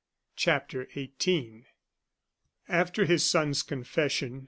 CHAPTER XVIII After his son's confession, M.